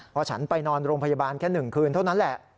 พอฉันไปนอนโรงพยาบาลแค่๑คืนเท่านั้นแหละ